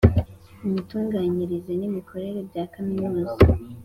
imitunganyirize n imikorere bya Kaminuza